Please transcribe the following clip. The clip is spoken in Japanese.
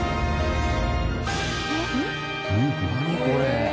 これ。